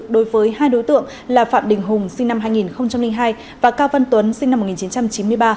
đối với hai đối tượng là phạm đình hùng sinh năm hai nghìn hai và cao văn tuấn sinh năm một nghìn chín trăm chín mươi ba